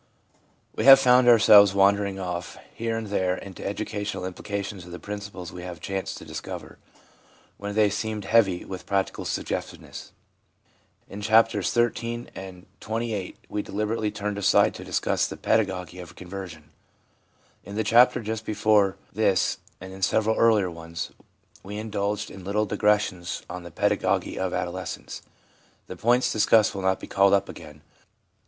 We have found ourselves wandering off, here and there, into the educational implications of the prin ciples we have chanced to discover, when they seemed heavy with practical suggestiveness. In Chapters XIII. and XXVIII. we deliberately turned aside to discuss the pedagogy of conversion. In the chapter just before this, and in several earlier ones, we indulged in little digressions on the pedagogy of adolescence. The points discussed will not be called up again.